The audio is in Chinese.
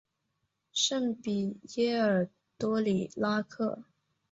圣皮耶尔多里拉克。